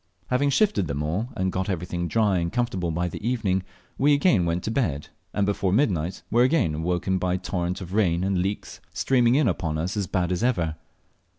Having shifted there all, and got everything dry and comfortable by the evening, we again went to bed, and before midnight were again awaked by torrent of rain and leaks streaming in upon us as bad as ever.